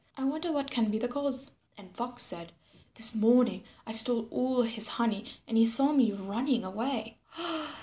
I wonder what can be the cause." And Fox said, "This morning I stole all his honey and he saw me running away."